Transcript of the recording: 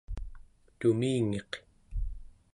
tumingiq